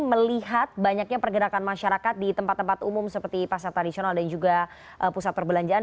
melihat banyaknya pergerakan masyarakat di tempat tempat umum seperti pasar tradisional dan juga pusat perbelanjaan